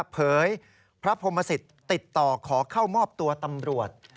เผยพระพรมศิษย์ติดต่อขอเข้ามอบตัวตำรวจ